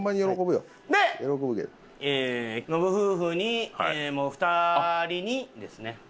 でノブ夫婦に２人にですね。